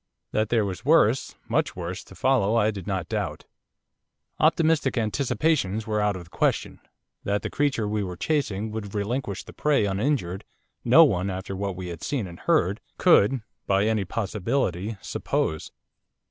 That there was worse much worse, to follow I did not doubt. Optimistic anticipations were out of the question, that the creature we were chasing would relinquish the prey uninjured, no one, after what we had seen and heard, could by any possibility suppose.